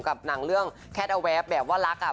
กับหนังเรื่องแคทเอาแวบแบบว่ารักอ่ะ